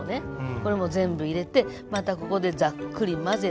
これも全部入れてまたここでザックリ混ぜたら。